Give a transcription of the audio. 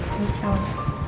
baik ya om